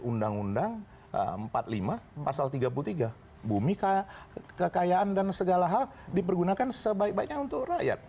undang undang empat puluh lima pasal tiga puluh tiga bumi kekayaan dan segala hal dipergunakan sebaik baiknya untuk rakyat